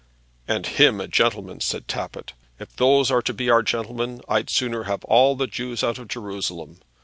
"And him a gentleman!" said Tappitt. "If those are to be our gentlemen I'd sooner have all the Jews out of Jerusalem.